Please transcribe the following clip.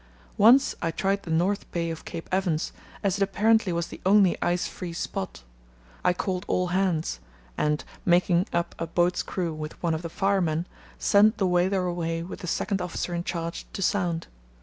Once I tried the North Bay of Cape Evans, as it apparently was the only ice free spot. I called all hands, and making up a boat's crew with one of the firemen sent the whaler away with the second officer in charge to sound.